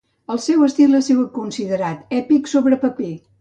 El seu estil ha sigut considerat èpic sobre paper.